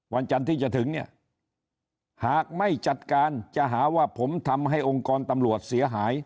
วันจันทร์ที่จะถึงเนี่ยหากไม่จัดการจะหาว่าผมทำให้องค์กรตำรวจเสียหาย